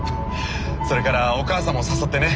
それからお母さんも誘ってね。